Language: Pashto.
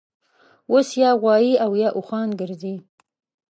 اوس یا غوایي اویا اوښان ګرځي